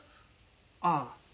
ああ。